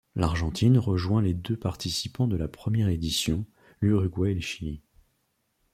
L'Argentine rejoint les deux participants de la première édition, l'Uruguay et le Chili.